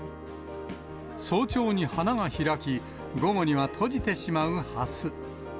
早朝に花が開き、午後には閉じてしまうハス。